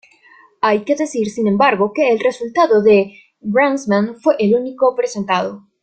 Hay que decir sin embargo que el resultado de Grassmann fue el único presentado.